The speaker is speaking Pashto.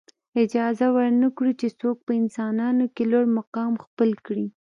اجازه ورنه کړو چې څوک په انسانانو کې لوړ مقام خپل کړي.